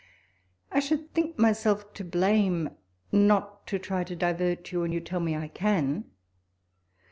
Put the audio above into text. I SHOULD think myseJf to blame not to try to divert you, when you tell rae I can.